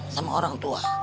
sama orang tua